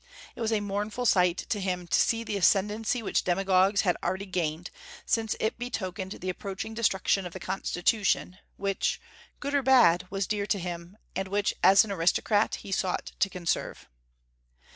It was a mournful sight to him to see the ascendency which demagogues had already gained, since it betokened the approaching destruction of the Constitution, which, good or bad, was dear to him, and which as an aristocrat he sought to conserve.